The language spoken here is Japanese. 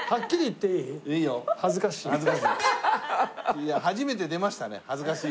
いや初めて出ましたね「恥ずかしい」がね。